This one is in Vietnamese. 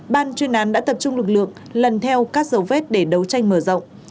ban chuyên án đã tập trung lực lượng lần theo các dấu vết để đấu tranh mở rộng